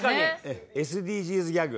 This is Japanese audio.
ＳＤＧｓギャグ。